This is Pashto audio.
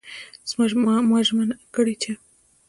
ما ژمنه کړې چې